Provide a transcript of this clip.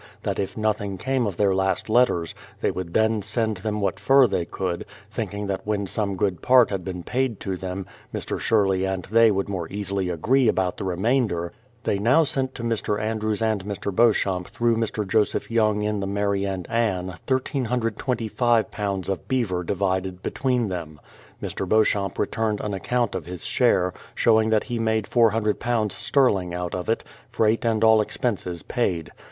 that if nothing came of their last letters, they would then send them what fur they could, thinking that when some good part had been paid to them, Mr. Sherley and they would more easily agree about the remainder, — they now sent to Mr. Andrews and Mr. Beau champ through Mr. Joseph Young in the Mary and Anne 1325 lbs. of beaver divided between them. Mr. Beauchamp returned an account of his share, showing that he made £400 sterling out of it, freight and all expenses paid.